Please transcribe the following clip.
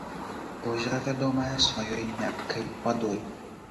Возера вядомае сваёй мяккай вадой.